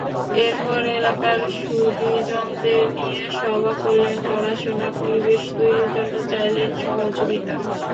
এরপর এলাকার সুধীজনদের নিয়ে সভা করলেন, পড়াশোনার পরিবেশ তৈরির জন্য চাইলেন সহযোগিতা।